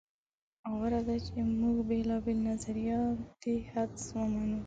غوره ده چې موږ بېلابېل نظریاتي حدس ومنو.